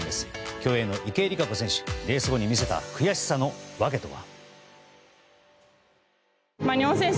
競泳の池江璃花子選手レース後に見せたくやしさの訳とは。